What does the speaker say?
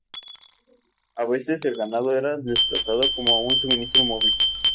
A veces el ganado era desplazado como un suministro móvil.